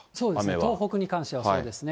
東北に関してはそうですね。